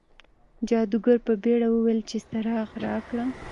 جادوګر په بیړه وویل چې څراغ راکړه.